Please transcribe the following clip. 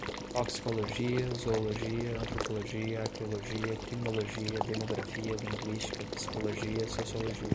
toxicologia, zoologia, antropologia, arqueologia, criminologia, demografia, linguística, psicologia, sociologia